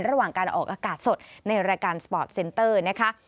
ระหว่างการออกอากาศสดในรายการสปอร์ตเซนเตอร์นะคะ